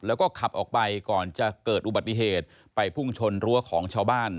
แล้วก็ขับออกไปก่อนจะเกิดอุบัติเหตุไปพุ่งชนรั้วของชาวบ้าน